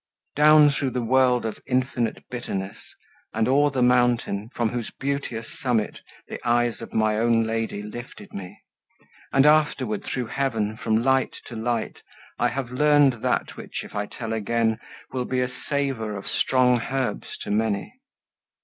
Down through the world of infinite bitterness, And o'er the mountain, from whose beauteous summit The eyes of my own Lady lifted me, And afterward through heaven from light to light, I have learned that which, if I tell again, Will be a savour of strong herbs to many.